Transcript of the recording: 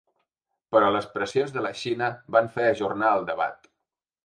Però les pressions de la Xina van fer ajornar el debat.